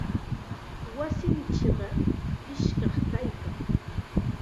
Wasinchikqa iskam kaykan.